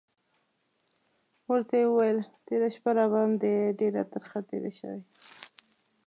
ورته یې وویل: تېره شپه راباندې ډېره ترخه تېره شوې.